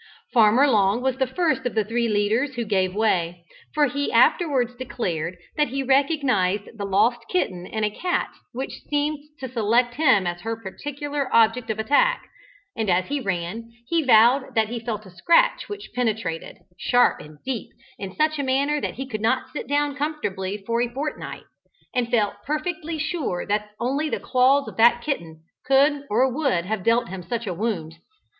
Farmer Long was the first of the three leaders who gave way, for he afterwards declared that he recognized the lost kitten in a cat which seemed to select him as her particular object of attack, and as he ran, he vowed that he felt a scratch which penetrated, sharp and deep, in such a manner that he could not sit down comfortably for a fortnight, and felt perfectly sure that only the claws of that kitten could or would have dealt him such a wound.